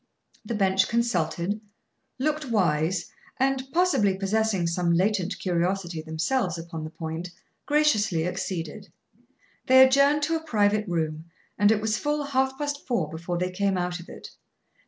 The bench consulted, looked wise, and, possibly possessing some latent curiosity themselves upon the point, graciously acceded. They adjourned to a private room, and it was full half past four before they came out of it.